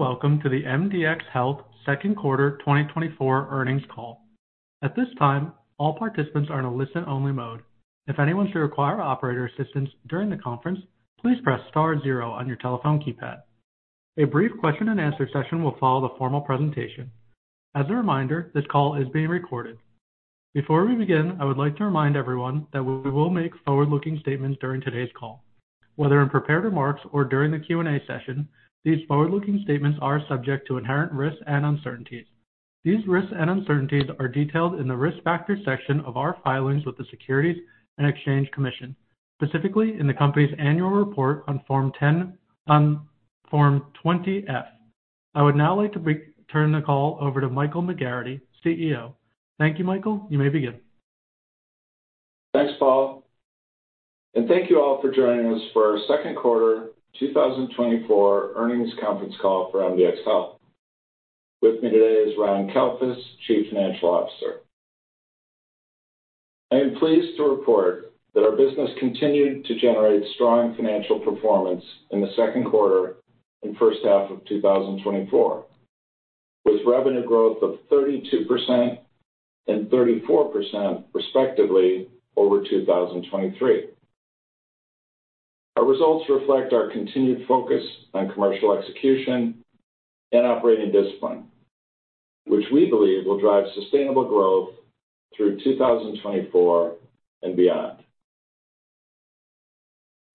Welcome to the MDxHealth Second Quarter 2024 Earnings Call. At this time, all participants are in a listen-only mode. If anyone should require operator assistance during the conference, please press star zero on your telephone keypad. A brief question-and-answer session will follow the formal presentation. As a reminder, this call is being recorded. Before we begin, I would like to remind everyone that we will make forward-looking statements during today's call. Whether in prepared remarks or during the Q&A session, these forward-looking statements are subject to inherent risks and uncertainties. These risks and uncertainties are detailed in the Risk Factors section of our filings with the Securities and Exchange Commission, specifically in the company's Annual Report on Form 20-F. I would now like to return the call over to Michael McGarrity, CEO. Thank you, Michael. You may begin. Thanks, Paul, and thank you all for joining us for our second quarter 2024 earnings conference call for MDxHealth. With me today is Ron Kalfus, Chief Financial Officer. I am pleased to report that our business continued to generate strong financial performance in the second quarter and first half of 2024, with revenue growth of 32% and 34% respectively over 2023. Our results reflect our continued focus on commercial execution and operating discipline, which we believe will drive sustainable growth through 2024 and beyond.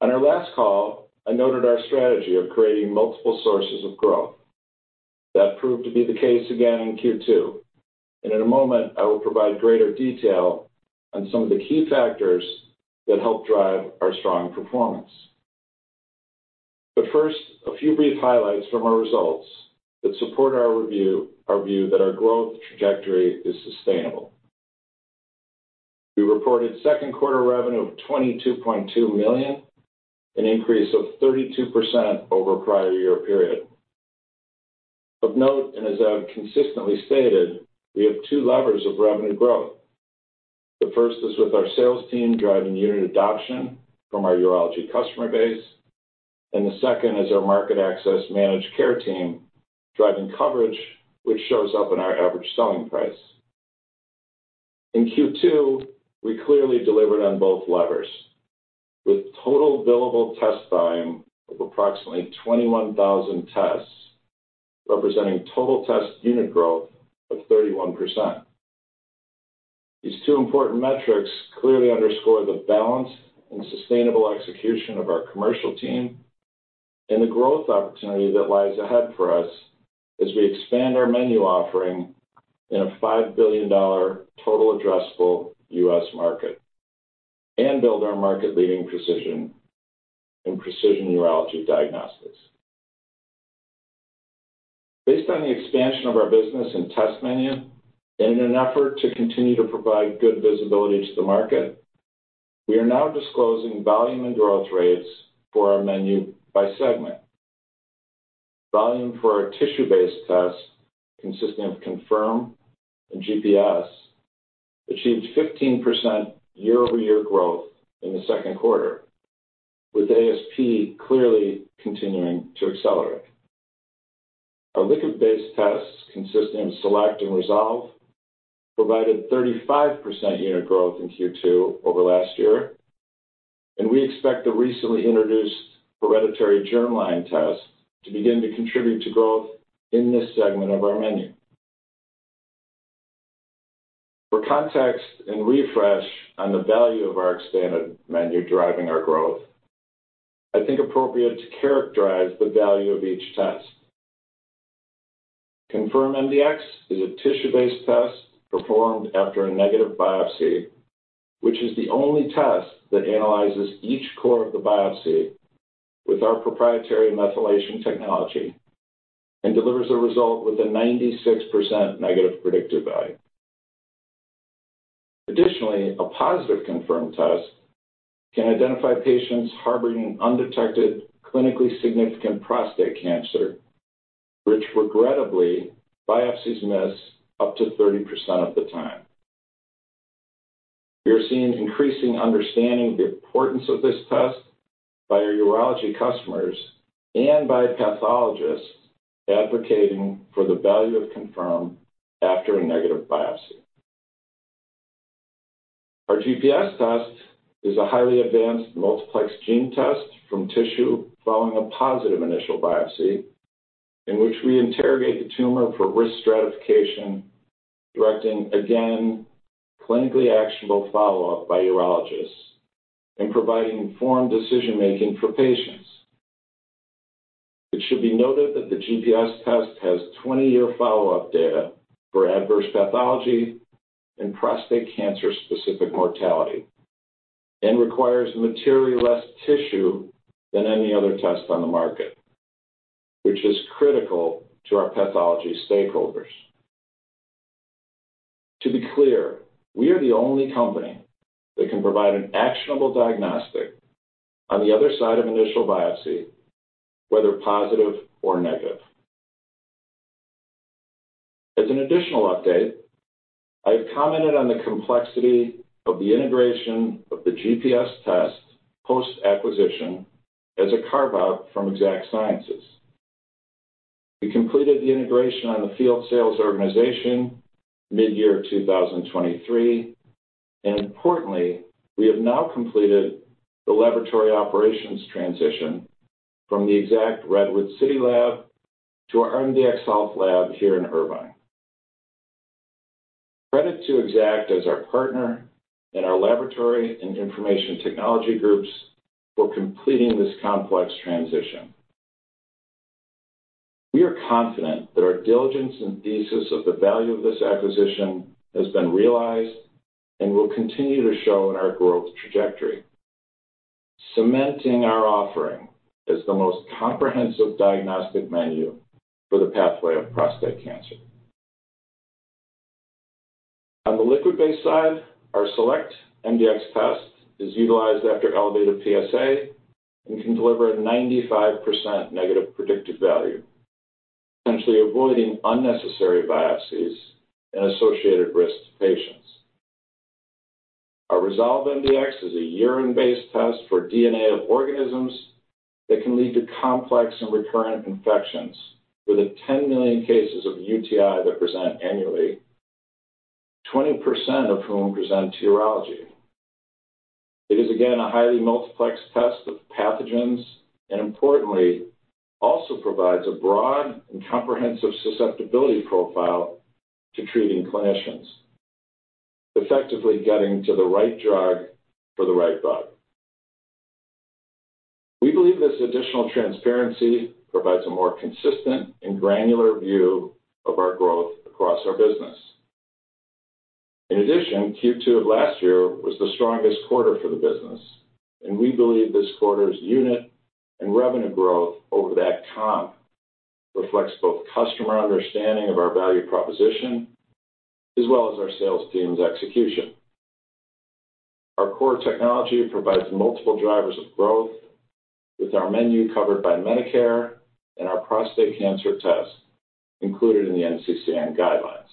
On our last call, I noted our strategy of creating multiple sources of growth. That proved to be the case again in Q2, and in a moment, I will provide greater detail on some of the key factors that helped drive our strong performance. But first, a few brief highlights from our results that support our view that our growth trajectory is sustainable. We reported second quarter revenue of $22.2 million, an increase of 32% over prior year period. Of note, and as I've consistently stated, we have two levers of revenue growth. The first is with our sales team driving unit adoption from our urology customer base, and the second is our market access managed care team driving coverage, which shows up in our average selling price. In Q2, we clearly delivered on both levers, with total billable test volume of approximately 21,000 tests, representing total test unit growth of 31%. These two important metrics clearly underscore the balance and sustainable execution of our commercial team and the growth opportunity that lies ahead for us as we expand our menu offering in a $5 billion total addressable U.S. market and build our market-leading position in precision urology diagnostics. Based on the expansion of our business and test menu, and in an effort to continue to provide good visibility to the market, we are now disclosing volume and growth rates for our menu by segment. Volume for our tissue-based test, consisting of Confirm and GPS, achieved 15% year-over-year growth in the second quarter, with ASP clearly continuing to accelerate. Our liquid-based tests, consisting of Select and Resolve, provided 35% unit growth in Q2 over last year, and we expect the recently introduced hereditary germline test to begin to contribute to growth in this segment of our menu. For context and refresh on the value of our expanded menu driving our growth, I think appropriate to characterize the value of each test. ConfirmMDx is a tissue-based test performed after a negative biopsy, which is the only test that analyzes each core of the biopsy with our proprietary methylation technology and delivers a result with a 96% negative predictive value. Additionally, a positive ConfirmMDx test can identify patients harboring undetected, clinically significant prostate cancer, which regrettably biopsies miss up to 30% of the time. We are seeing increasing understanding of the importance of this test by our urology customers and by pathologists advocating for the value of ConfirmMDx after a negative biopsy. Our GPS test is a highly advanced multiplex gene test from tissue following a positive initial biopsy, in which we interrogate the tumor for risk stratification, directing again, clinically actionable follow-up by urologists and providing informed decision-making for patients. It should be noted that the GPS test has twenty-year follow-up data for adverse pathology and prostate cancer-specific mortality and requires materially less tissue than any other test on the market, which is critical to our pathology stakeholders. To be clear, we are the only company that can provide an actionable diagnostic on the other side of initial biopsy, whether positive or negative. As an additional update, I've commented on the complexity of the integration of the GPS test post-acquisition as a carve-out from Exact Sciences. We completed the integration on the field sales organization mid-year 2023, and importantly, we have now completed the laboratory operations transition from the Exact Redwood City lab to our MDxHealth lab here in Irvine. Credit to Exact as our partner and our laboratory and information technology groups for completing this complex transition. We are confident that our diligence and thesis of the value of this acquisition has been realized and will continue to show in our growth trajectory, cementing our offering as the most comprehensive diagnostic menu for the pathway of prostate cancer. On the liquid-based side, our SelectMDx test is utilized after elevated PSA and can deliver a 95% negative predictive value, essentially avoiding unnecessary biopsies and associated risks to patients. Our ResolveMDx is a urine-based test for DNA of organisms that can lead to complex and recurrent infections, with the 10 million cases of UTI that present annually, 20% of whom present to urology. It is, again, a highly multiplex test of pathogens, and importantly, also provides a broad and comprehensive susceptibility profile to treating clinicians, effectively getting to the right drug for the right bug. We believe this additional transparency provides a more consistent and granular view of our growth across our business. In addition, Q2 of last year was the strongest quarter for the business, and we believe this quarter's unit and revenue growth over that comp reflects both customer understanding of our value proposition, as well as our sales team's execution. Our core technology provides multiple drivers of growth with our menu covered by Medicare and our prostate cancer test included in the NCCN guidelines.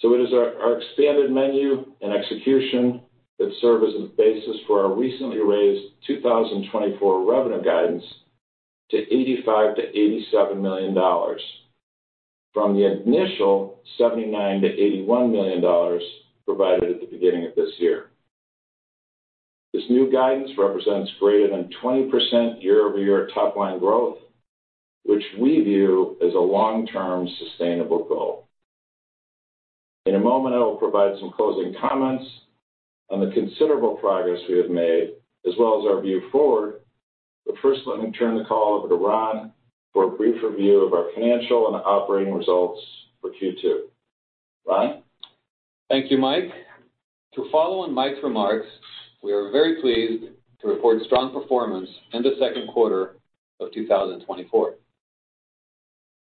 So it is our expanded menu and execution that serve as the basis for our recently raised 2024 revenue guidance to $85-$87 million, from the initial $79-$81 million provided at the beginning of this year. This new guidance represents greater than 20% year-over-year top-line growth, which we view as a long-term sustainable goal. In a moment, I will provide some closing comments on the considerable progress we have made, as well as our view forward. But first, let me turn the call over to Ron for a brief review of our financial and operating results for Q2. Ron? Thank you, Mike. To follow on Mike's remarks, we are very pleased to report strong performance in the second quarter of 2024.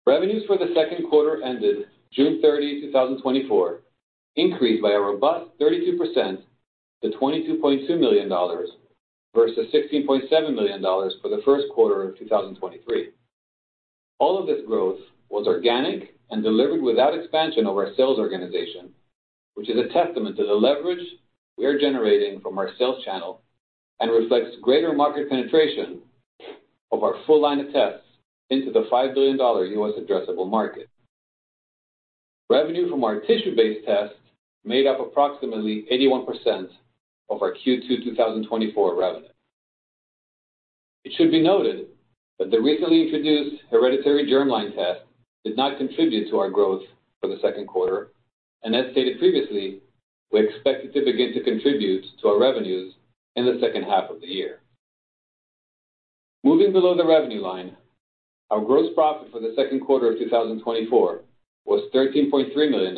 Revenues for the second quarter ended June 30, 2024, increased by a robust 32% to $22.2 million versus $16.7 million for the first quarter of 2023. All of this growth was organic and delivered without expansion of our sales organization, which is a testament to the leverage we are generating from our sales channel and reflects greater market penetration of our full line of tests into the $5 billion U.S. addressable market. Revenue from our tissue-based tests made up approximately 81% of our Q2 2024 revenue. It should be noted that the recently introduced hereditary germline test did not contribute to our growth for the second quarter, and as stated previously, we expect it to begin to contribute to our revenues in the second half of the year. Moving below the revenue line, our gross profit for the second quarter of 2024 was $13.3 million,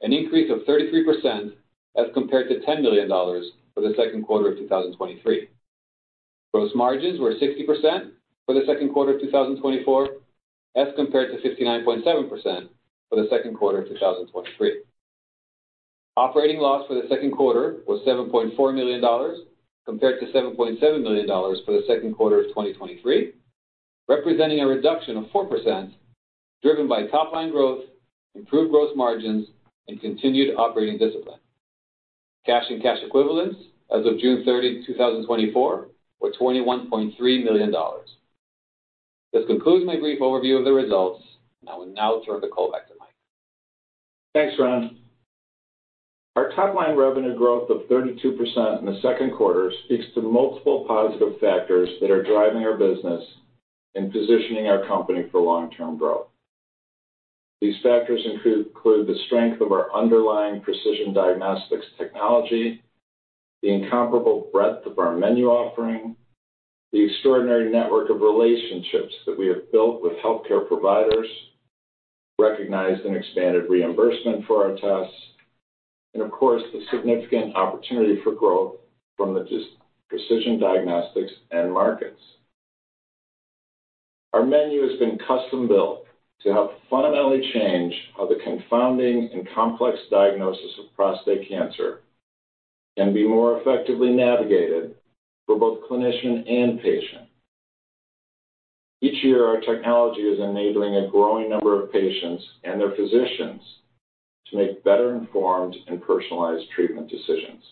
an increase of 33% as compared to $10 million for the second quarter of 2023. Gross margins were 60% for the second quarter of 2024, as compared to 59.7% for the second quarter of 2023. Operating loss for the second quarter was $7.4 million, compared to $7.7 million for the second quarter of 2023, representing a reduction of 4%, driven by top-line growth, improved gross margins, and continued operating discipline. Cash and cash equivalents as of June 30, 2024, were $21.3 million. This concludes my brief overview of the results, and I will now turn the call back to Mike. Thanks, Ron. Our top-line revenue growth of 32% in the second quarter speaks to multiple positive factors that are driving our business and positioning our company for long-term growth. These factors include the strength of our underlying precision diagnostics technology, the incomparable breadth of our menu offering, the extraordinary network of relationships that we have built with healthcare providers, recognized and expanded reimbursement for our tests, and of course, the significant opportunity for growth from the precision diagnostics end markets. Our menu has been custom-built to help fundamentally change how the confounding and complex diagnosis of prostate cancer, and be more effectively navigated for both clinician and patient. Each year, our technology is enabling a growing number of patients and their physicians to make better-informed and personalized treatment decisions.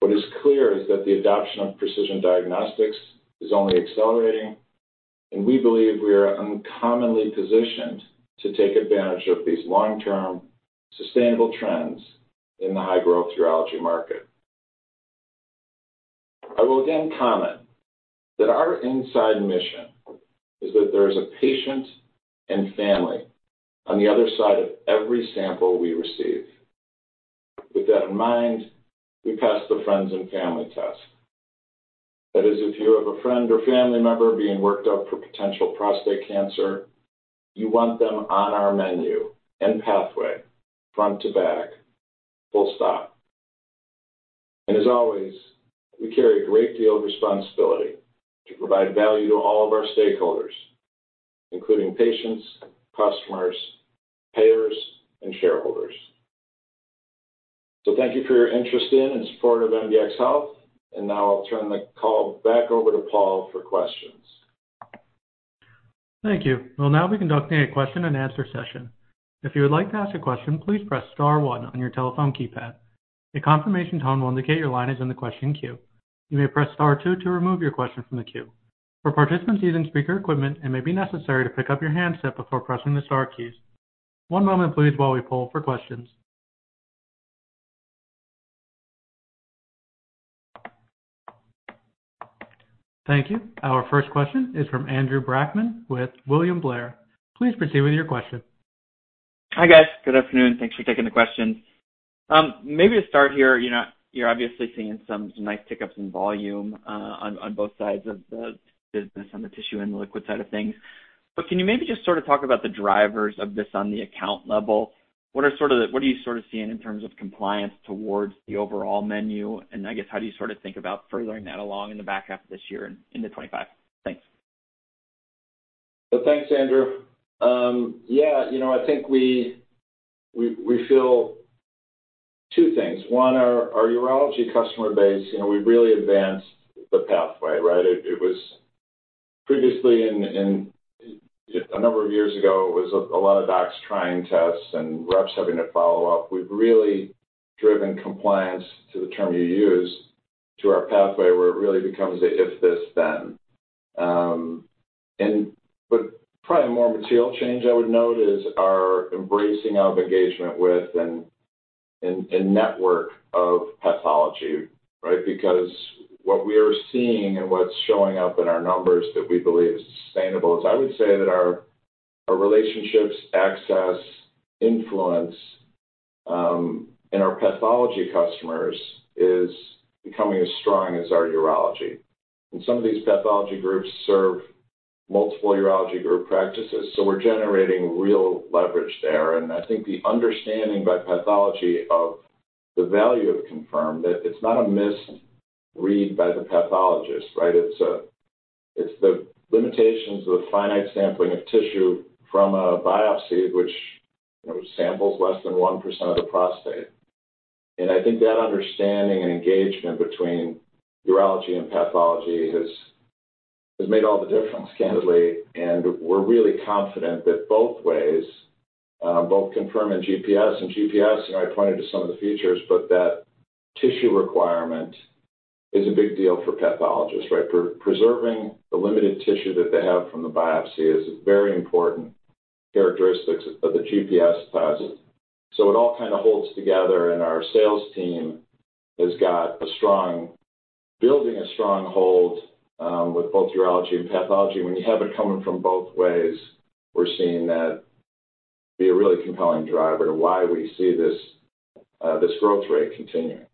What is clear is that the adoption of precision diagnostics is only accelerating, and we believe we are uncommonly positioned to take advantage of these long-term, sustainable trends in the high-growth urology market. I will again comment that our inside mission is that there is a patient and family on the other side of every sample we receive. With that in mind, we pass the friends and family test. That is, if you have a friend or family member being worked up for potential prostate cancer, you want them on our menu and pathway, front to back, full stop. And as always, we carry a great deal of responsibility to provide value to all of our stakeholders, including patients, customers, payers, and shareholders. So thank you for your interest in and support of MDxHealth, and now I'll turn the call back over to Paul for questions. Thank you. We'll now be conducting a question-and-answer session. If you would like to ask a question, please press star one on your telephone keypad. A confirmation tone will indicate your line is in the question queue. You may press star two to remove your question from the queue. For participants using speaker equipment, it may be necessary to pick up your handset before pressing the star keys. One moment please, while we poll for questions. Thank you. Our first question is from Andrew Brackmann with William Blair. Please proceed with your question. Hi, guys. Good afternoon. Thanks for taking the questions. Maybe to start here, you know, you're obviously seeing some nice pickups in volume on both sides of the business, on the tissue and the liquid side of things. But can you maybe just sort of talk about the drivers of this on the account level? What are you sort of seeing in terms of compliance towards the overall menu? And I guess, how do you sort of think about furthering that along in the back half of this year and into twenty-five? Thanks. Well, thanks, Andrew. Yeah, you know, I think we feel two things. One, our urology customer base, you know, we've really advanced the pathway, right? It was previously in a number of years ago, it was a lot of docs trying tests and reps having to follow up. We've really driven compliance, to the term you use, to our pathway, where it really becomes a if this, then. And but probably a more material change I would note is our embracing our engagement with and network of pathology, right? Because what we are seeing and what's showing up in our numbers that we believe is sustainable is, I would say that our relationships, access, influence, and our pathology customers is becoming as strong as our urology. And some of these pathology groups serve multiple urology group practices, so we're generating real leverage there. And I think the understanding by pathology of the value of Confirm, that it's not a missed read by the pathologist, right? It's the limitations of finite sampling of tissue from a biopsy, which, you know, samples less than 1% of the prostate. And I think that understanding and engagement between urology and pathology has made all the difference, candidly. And we're really confident that both ways, both Confirm and GPS, and GPS, you know, I pointed to some of the features, but that tissue requirement is a big deal for pathologists, right? Preserving the limited tissue that they have from the biopsy is a very important characteristics of the GPS assay. So it all kind of holds together, and our sales team has got a strong...Building a strong hold, with both urology and pathology. When you have it coming from both ways, we're seeing that be a really compelling driver to why we see this growth rate continuing.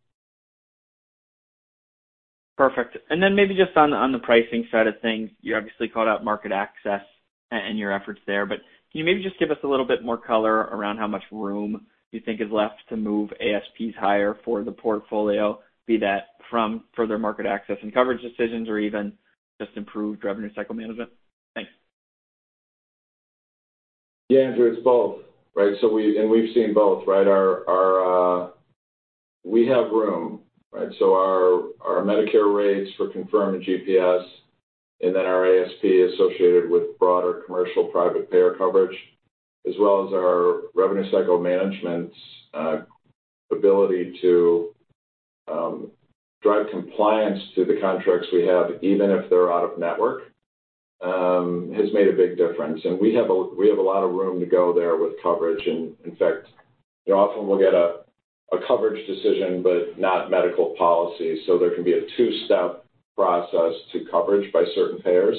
Perfect. And then maybe just on the pricing side of things, you obviously called out market access and your efforts there, but can you maybe just give us a little bit more color around how much room you think is left to move ASPs higher for the portfolio, be that from further market access and coverage decisions or even just improved revenue cycle management? Thanks. Yeah, Andrew, it's both, right? So we-- And we've seen both, right? Our we have room, right? So our Medicare rates for Confirm and GPS, and then our ASP associated with broader commercial private payer coverage, as well as our revenue cycle management's ability to drive compliance to the contracts we have, even if they're out of network, has made a big difference. And we have a lot of room to go there with coverage. And in fact, you know, often we'll get a coverage decision, but not medical policy. So there can be a two-step process to coverage by certain payers,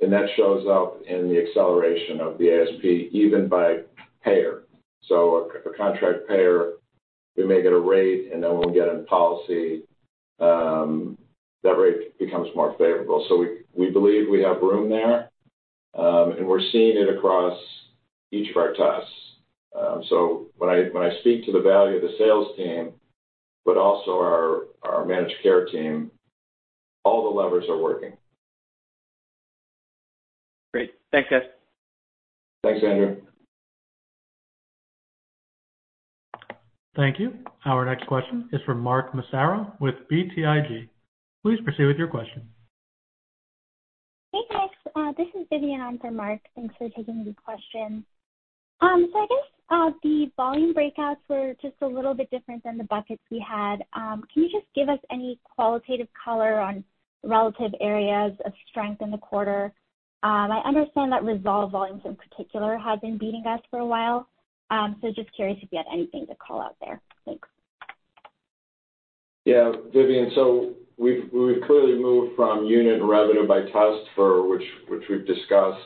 and that shows up in the acceleration of the ASP, even by payer. So a contract payer, we may get a rate, and then when we get a policy, that rate becomes more favorable. So we believe we have room there, and we're seeing it across each of our tests. So when I speak to the value of the sales team, but also our managed care team, all the levers are working.... Great. Thanks, guys. Thanks, Andrew. Thank you. Our next question is from Mark Massaro with BTIG. Please proceed with your question. Hey, guys. This is Vivian on for Mark. Thanks for taking the question. So I guess the volume breakouts were just a little bit different than the buckets we had. Can you just give us any qualitative color on relative areas of strength in the quarter? I understand that resolve volumes in particular have been beating us for a while. So just curious if you had anything to call out there. Thanks. Yeah, Vivian, so we've clearly moved from unit revenue by test for which we've discussed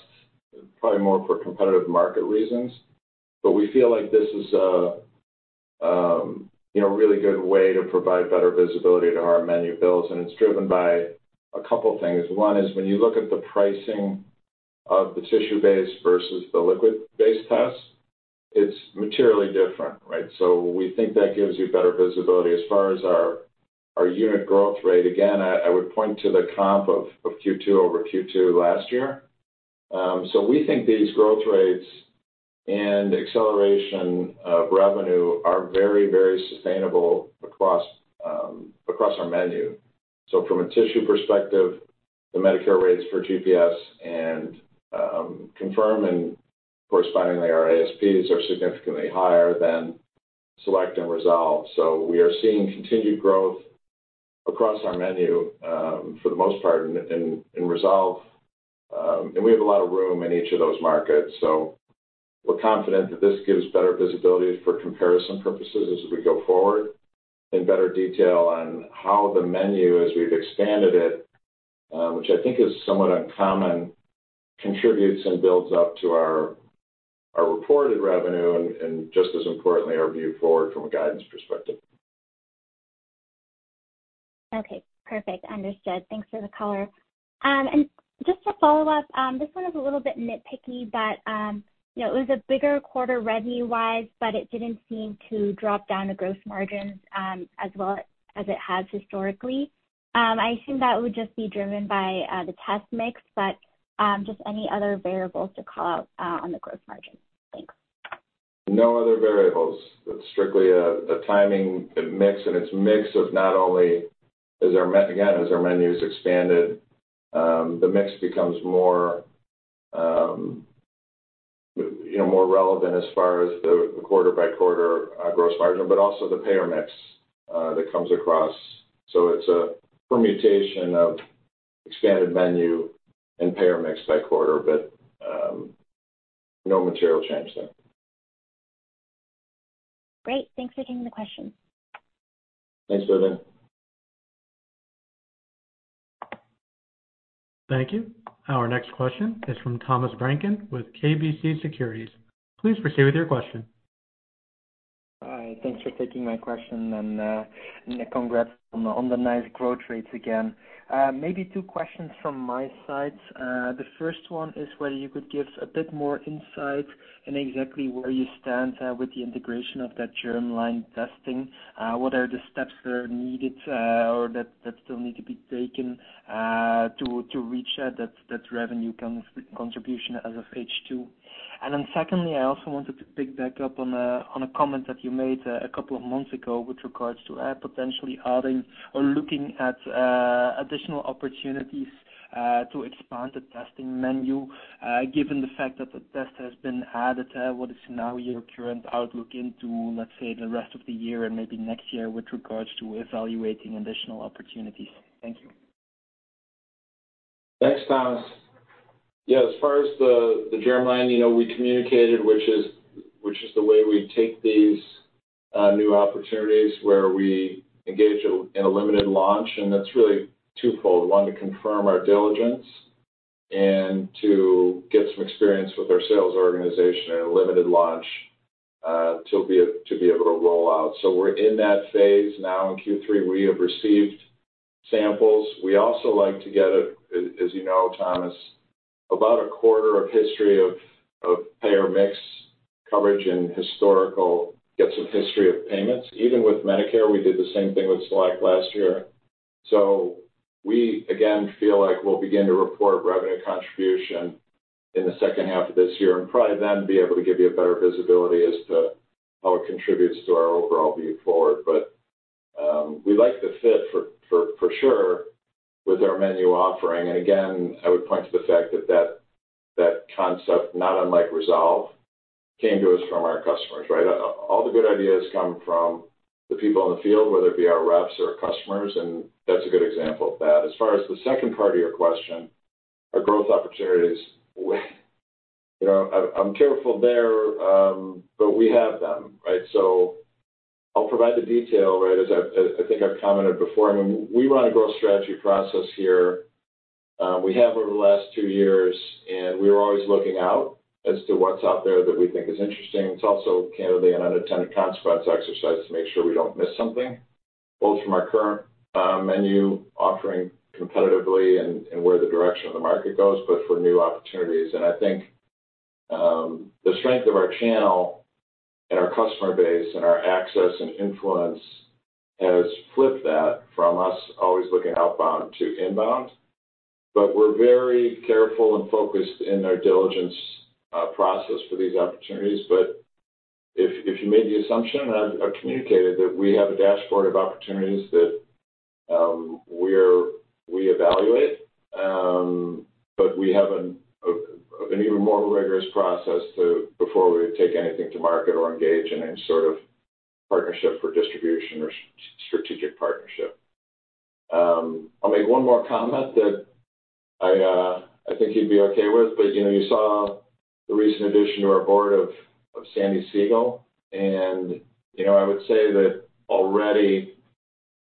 probably more for competitive market reasons. But we feel like this is a you know really good way to provide better visibility to our menu builds, and it's driven by a couple things. One is when you look at the pricing of the tissue-based versus the liquid-based test, it's materially different, right? So we think that gives you better visibility. As far as our unit growth rate, again, I would point to the comp of Q2 over Q2 last year. So we think these growth rates and acceleration of revenue are very, very sustainable across our menu. So from a tissue perspective, the Medicare rates for GPS and Confirm, and correspondingly, our ASPs are significantly higher than Select and Resolve. So we are seeing continued growth across our menu, for the most part in Resolve, and we have a lot of room in each of those markets. So we're confident that this gives better visibility for comparison purposes as we go forward, in better detail on how the menu as we've expanded it, which I think is somewhat uncommon, contributes and builds up to our reported revenue and just as importantly, our view forward from a guidance perspective. Okay, perfect. Understood. Thanks for the color and just to follow up, this one is a little bit nitpicky, but you know, it was a bigger quarter revenue-wise, but it didn't seem to drop down the gross margins as well as it has historically. I assume that would just be driven by the test mix, but just any other variables to call out on the gross margin? Thanks. No other variables. It's strictly a timing mix, and it's a mix of not only as our menu again, as our menu is expanded, the mix becomes more, you know, more relevant as far as the quarter-by-quarter gross margin, but also the payer mix that comes across. So it's a permutation of expanded menu and payer mix by quarter, but no material change there. Great. Thanks for taking the question. Thanks, Vivian. Thank you. Our next question is from Thomas Branken with KBC Securities. Please proceed with your question. Hi, thanks for taking my question, and congrats on the nice growth rates again. Maybe two questions from my side. The first one is whether you could give us a bit more insight in exactly where you stand with the integration of that germline testing. What are the steps that are needed or that still need to be taken to reach that revenue contribution as of H2? And then secondly, I also wanted to pick back up on a comment that you made a couple of months ago with regards to potentially adding or looking at additional opportunities to expand the testing menu. Given the fact that the test has been added, what is now your current outlook into, let's say, the rest of the year and maybe next year with regards to evaluating additional opportunities? Thank you. Thanks, Thomas. Yeah, as far as the germline, you know, we communicated, which is the way we take these new opportunities, where we engage in a limited launch, and that's really twofold. One, to confirm our diligence and to get some experience with our sales organization and a limited launch to be able to roll out. So we're in that phase now in Q3. We have received samples. We also like to get, as you know, Thomas, about a quarter of history of payer mix coverage and historical get some history of payments. Even with Medicare, we did the same thing with Select last year. So we, again, feel like we'll begin to report revenue contribution in the second half of this year, and probably then be able to give you a better visibility as to how it contributes to our overall view forward. But, we like the fit for sure with our menu offering. And again, I would point to the fact that concept, not unlike Resolve, came to us from our customers, right? All the good ideas come from the people in the field, whether it be our reps or customers, and that's a good example of that. As far as the second part of your question, our growth opportunities, you know, I'm careful there, but we have them, right? So I'll provide the detail, right, as I've... I think I've commented before. I mean, we run a growth strategy process here. We have over the last two years, and we're always looking out as to what's out there that we think is interesting. It's also, candidly, an unintended consequence exercise to make sure we don't miss something, both from our current menu offering competitively and where the direction of the market goes, but for new opportunities. The strength of our channel and our customer base, and our access and influence has flipped that from us always looking outbound to inbound. But we're very careful and focused in our diligence process for these opportunities. But if you made the assumption, I've communicated that we have a dashboard of opportunities that we evaluate. But we have an even more rigorous process before we take anything to market or engage in any sort of partnership for distribution or strategic partnership. I'll make one more comment that I think you'd be okay with. But you know, you saw the recent addition to our board of Sandy Siegel. And you know, I would say that already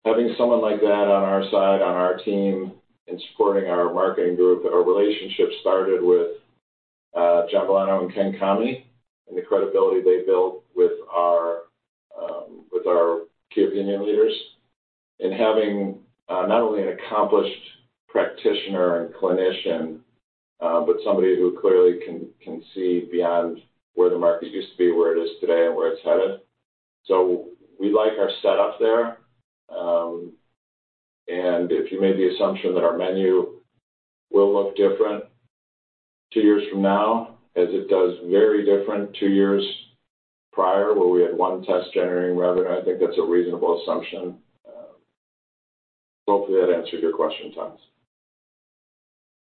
having someone like that on our side, on our team, and supporting our marketing group, our relationship started with John Bellano and Ken Comey, and the credibility they built with our key opinion leaders. And having not only an accomplished practitioner and clinician, but somebody who clearly can see beyond where the market used to be, where it is today, and where it's headed. So we like our setup there. And if you made the assumption that our menu will look different two years from now, as it does very different two years prior, where we had one test generating revenue, I think that's a reasonable assumption. Hopefully, that answered your question, Thomas.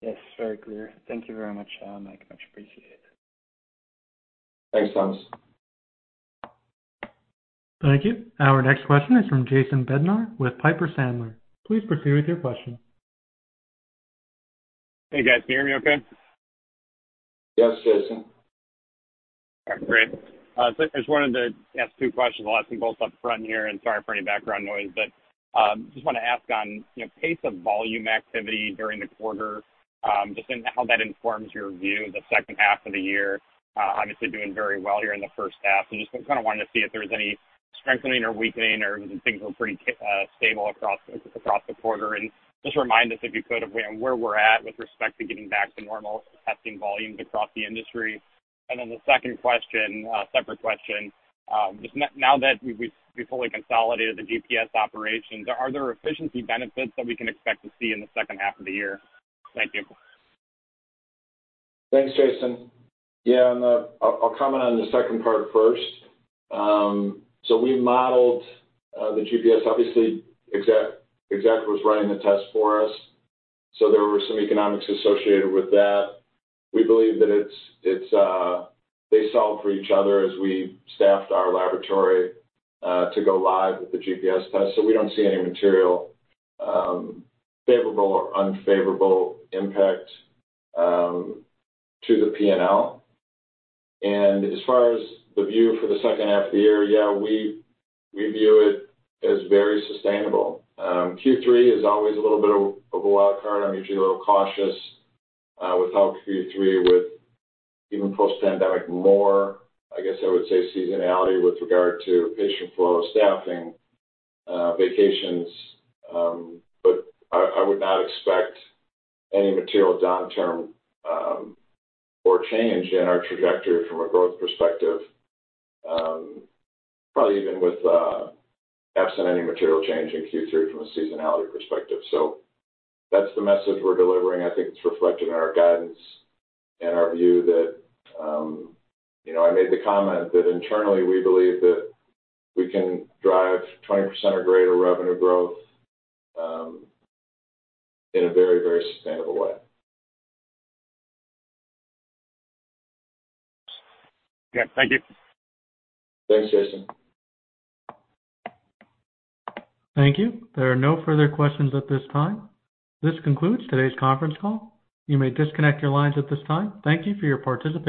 Yes, very clear. Thank you very much, Mike. Much appreciated. Thanks, Thomas. Thank you. Our next question is from Jason Bednar with Piper Sandler. Please proceed with your question. Hey, guys, can you hear me okay? Yes, Jason. All right, great, so I just wanted to ask two questions. I'll ask you both up front here, and sorry for any background noise, but just wanna ask on, you know, pace of volume activity during the quarter, just in how that informs your view of the second half of the year. Obviously, doing very well here in the first half, so just kind of wanted to see if there was any strengthening or weakening, or things were pretty stable across the quarter, and just remind us, if you could, of where we're at with respect to getting back to normal testing volumes across the industry. And then the second question, separate question, just now that we've fully consolidated the GPS operations, are there efficiency benefits that we can expect to see in the second half of the year? Thank you. Thanks, Jason. Yeah, and I'll comment on the second part first. So we modeled the GPS, obviously, Exact Sciences was running the test for us, so there were some economics associated with that. We believe that it's They solve for each other as we staffed our laboratory to go live with the GPS test. So we don't see any material favorable or unfavorable impact to the P&L. And as far as the view for the second half of the year, yeah, we view it as very sustainable. Q3 is always a little bit of a wild card. I'm usually a little cautious with how Q3 with even post-pandemic more, I guess I would say, seasonality with regard to patient flow, staffing, vacations. But I would not expect any material downturn or change in our trajectory from a growth perspective, probably even with absent any material change in Q3 from a seasonality perspective. So that's the message we're delivering. I think it's reflected in our guidance and our view that, you know, I made the comment that internally we believe that we can drive 20% or greater revenue growth in a very, very sustainable way. Yeah. Thank you. Thanks, Jason. Thank you. There are no further questions at this time. This concludes today's conference call. You may disconnect your lines at this time. Thank you for your participation.